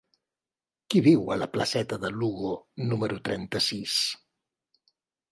Qui viu a la placeta de Lugo número trenta-sis?